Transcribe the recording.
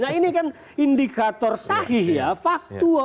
nah ini kan indikator sahih ya